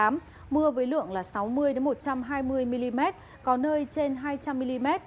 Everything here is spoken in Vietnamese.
mưa với lượng sáu mươi một trăm hai mươi mm có nơi trên hai trăm linh mm